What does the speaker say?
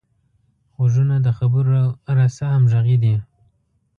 غوږونه د خبرو رسه همغږي دي